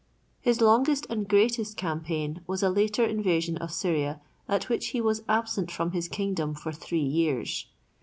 His longest and greatest campaign was a later invasion of Syria at which he was absent from his kingdom for three years.